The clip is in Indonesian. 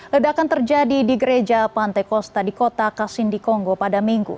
ledakan terjadi di gereja pantai kosta di kota kasindi kongo pada minggu